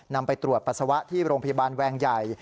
ไปตรวจปัสสาวะที่โรงพยาบาลแวงใหญ่